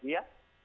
di sini ada kue kue